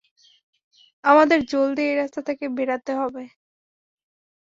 আমাদের জলদি এই রাস্তা থেকে বেরাতে হবে।